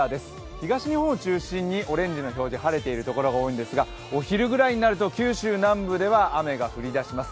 東日本を中心にオレンジの所、晴れている所が多いんですがお昼ぐらいになると九州南部では雨が降り出します。